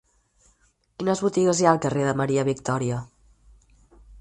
Quines botigues hi ha al carrer de Maria Victòria?